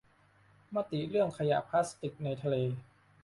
มติเรื่องขยะพลาสติกในทะเล